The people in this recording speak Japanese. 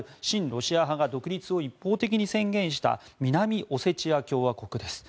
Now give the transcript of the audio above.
ロシア派が独立を一方的に宣言した南オセチア共和国です。